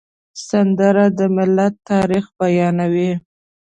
سندره د ملت تاریخ بیانوي